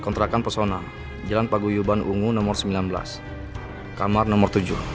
kontrakan personal jalan paguyuban ungu nomor sembilan belas kamar nomor tujuh